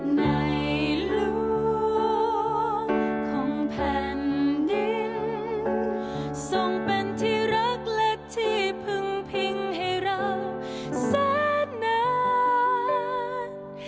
ในหลวงของแผ่นดินทรงเป็นที่รักและที่พึงพิงให้เราแสนนาน